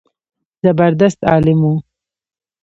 زبردست عالم و.